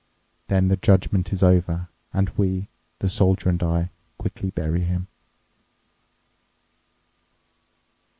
Then the judgment is over, and we, the soldier and I, quickly bury him."